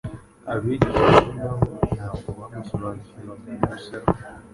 Abigishwa be na bo ntabwo bamusobanukirwaga biruseho.